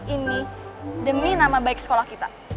ini demi nama baik sekolah kita